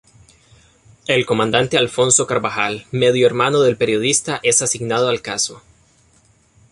El comandante Alfonso Carbajal, medio hermano del periodista es asignado al caso.